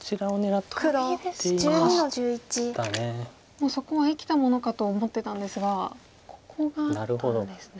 もうそこは生きたものかと思ってたんですがここがあったんですね。